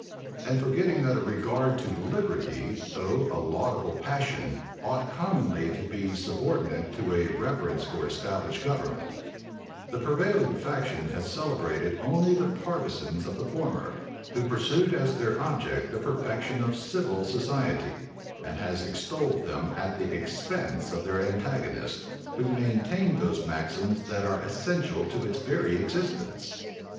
And forgetting that a regard to liberty, though a laudable passion, ought commonly to be subordinate to a reverence for established government, the prevailing faction has celebrated only the partisans of the former, who pursued as their object the perfection of civil society, and has extolled them at the expense of their antagonists, who maintained those maxims that are essential to its very existence.